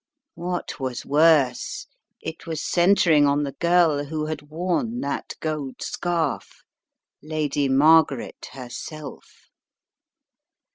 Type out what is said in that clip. What was worse, it was centring on the girl who had worn that gold scarf — Lady Margaret herself!